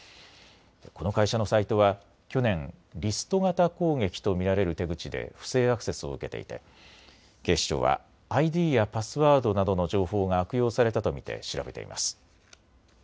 この会社のサイトは去年、リスト型攻撃と見られる手口で不正アクセスを受けていて警視庁はＩＤやパスワードなどの情報が悪用されたと見て調べています。